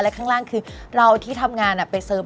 และข้างล่างคือเราที่ทำงานไปเสิร์ฟ